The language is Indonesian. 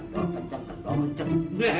kendor kencang kendor kencang